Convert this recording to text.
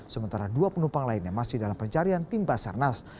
sementara dua penumpang lainnya masih dalam pencarian tim basarnas